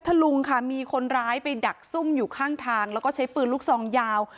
ทลุงค่ะมีคนร้ายไปดักซุ่มอยู่ข้างทางแล้วก็ใช้ปืนลูกซองยาว